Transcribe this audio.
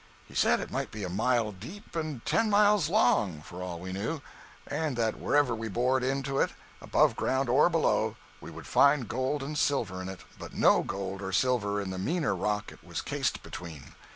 He said it might be a mile deep and ten miles long, for all we knew; and that wherever we bored into it above ground or below, we would find gold and silver in it, but no gold or silver in the meaner rock it was cased between.